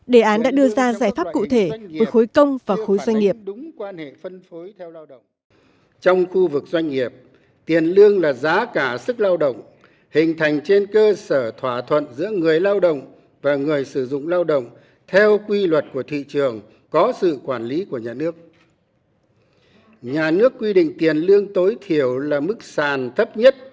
đề án đã đưa ra giải pháp cụ thể của khối công và khối doanh nghiệp